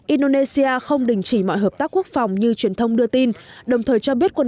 indonesia không đình chỉ mọi hợp tác quốc phòng như truyền thông đưa tin đồng thời cho biết quân